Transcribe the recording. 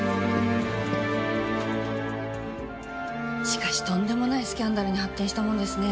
しかしとんでもないスキャンダルに発展したもんですね。